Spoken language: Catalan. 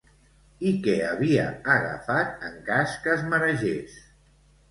I què havia agafat en cas que es maregés?